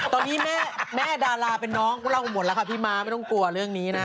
ตอนนี้แม่ดาราเป็นน้องพวกเราหมดแล้วค่ะพี่ม้าไม่ต้องกลัวเรื่องนี้นะ